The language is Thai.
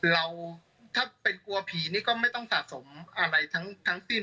เราถ้าเป็นกลัวผีนี่ก็ไม่ต้องสะสมอะไรทั้งสิ้น